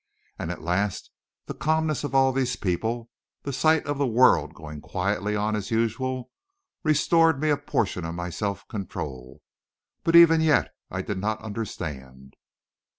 And, at last, the calmness of all these people, the sight of the world going quietly on as usual, restored me a portion of my self control. But even yet I did not understand.